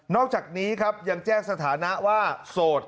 นอกจากนี้ครับยังแจ้งศาสนาว่าโสดครับ